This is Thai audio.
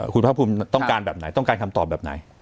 คุณภาคภูมิต้องการแบบไหนต้องการคำตอบแบบไหน